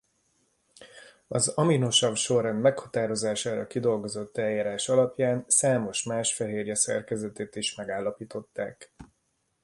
Az aminosav-sorrend meghatározására kidolgozott eljárás alapján számos más fehérje szerkezetét is megállapították.